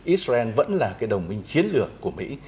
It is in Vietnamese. israel vẫn là cái đồng minh chiến lược của mỹ